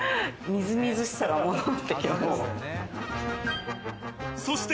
みずみずしさが戻ってきました。